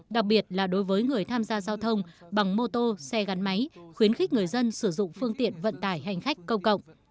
đặc biệt là đối với người tham gia giao thông bằng mô tô xe gắn máy khuyến khích người dân sử dụng phương tiện vận tải hành khách công cộng